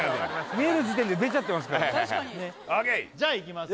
見える時点で出ちゃってますから確かにじゃあいきますよ